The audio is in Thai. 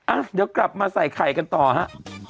อ่ะเดี๋ยวกลับมาใส่ไข่กันต่อฮะ